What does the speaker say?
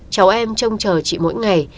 cháu em trông chờ chị mỗi ngày